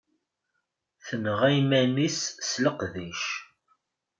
Tenɣa iman-is s leqdic.